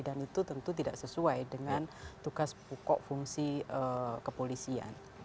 dan itu tentu tidak sesuai dengan tugas pukul fungsi kepolisian